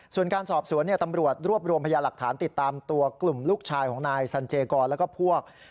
ส่วนการสอบสวนตำรวจรวบรวมพยาหลักฐานติดตามตัวกลุ่มลูกชายของนายสันเจกรแล้วก็พวก